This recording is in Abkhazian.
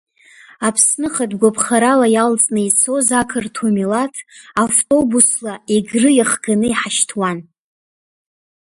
Аԥсны хатәгәаԥхарала иалҵны ицоз ақырҭуа милаҭ автобусла Егры иахганы иҳашьҭуан.